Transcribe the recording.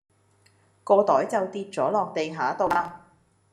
個袋就跌左落地下道啦